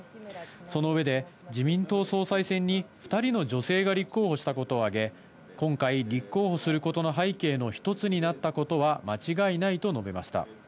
その上で、自民党総裁選に２人の女性が立候補したことを挙げ、今回、立候補することの背景の一つになったことは間違いないと述べました。